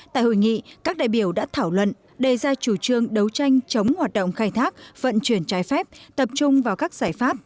tại hội nghị các đại biểu đã thảo luận đề ra chủ trương đấu tranh chống hoạt động khai thác vận chuyển trái phép tập trung vào các giải pháp